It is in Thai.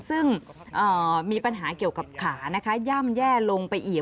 ซึ่งมีปัญหาเกี่ยวกับขานะคะย่ำแย่ลงไปอีก